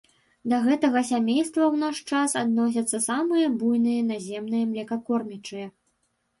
Да гэтага сямейства ў наш час адносяцца самыя буйныя наземныя млекакормячыя.